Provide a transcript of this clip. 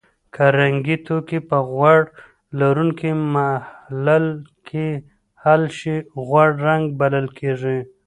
که رنګي توکي په غوړ لرونکي محلل کې حل شي غوړ رنګ بلل کیږي.